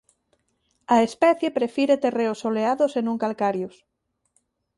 A especie prefire terreos soleados e non calcarios.